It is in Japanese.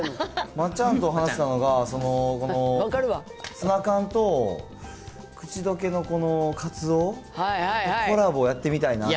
まっちゃんと話してたのが、ツナ缶と、口どけのカツオ、コラボやってみたいなって。